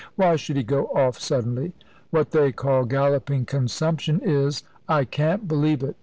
Why should he go off suddenly?" "What they call galloping consumption is " "I can't believe it.